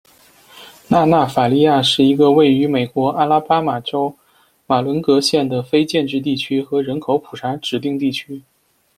纳纳法利亚是一个位于美国阿拉巴马州马伦戈县的非建制地区和人口普查指定地区。